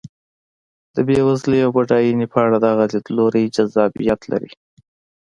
د بېوزلۍ او بډاینې په اړه دغه لیدلوری جذابیت لري.